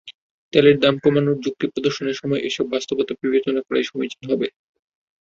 তেলের দাম কমানোর যুক্তি প্রদর্শনের সময় এসব বাস্তবতা বিবেচনা করাই সমীচীন হবে।